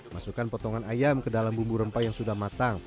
masukkan potongan ayam ke dalam bumbu rempah yang sudah matang